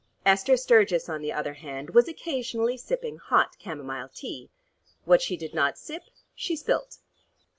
Esther Sturgis on the other hand was occasionally sipping hot camomile tea. What she did not sip she spilt.